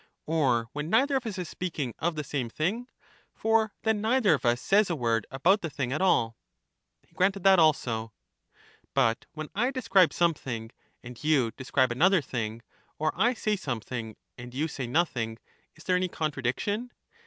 Or when neither of us is speaking of the same thing? For then neither of us says a word about the thing at all? He granted that also. But when I describe something and you describe EUTHYDEMUS 243 another thing, or I say something and you say nothing — is there any contradiction?